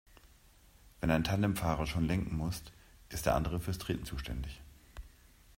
Wenn ein Tandemfahrer schon lenken muss, ist der andere fürs Treten zuständig.